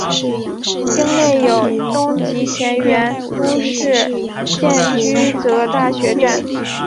町内有东急田园都市线驹泽大学站。